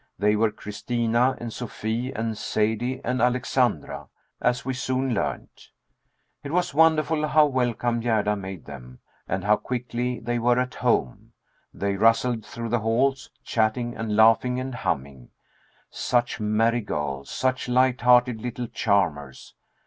They were Christina and Sophie and Sadie and Alexandra as we soon learned. It was wonderful how welcome Gerda made them, and how quickly they were "at home." They rustled through the halls, chatting and laughing and humming. Such merry girls! Such light hearted little charmers!